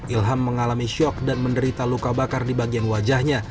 ilham mengalami syok dan menderita luka bakar di bagian wajahnya